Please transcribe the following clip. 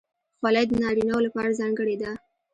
خولۍ د نارینه وو لپاره ځانګړې ده.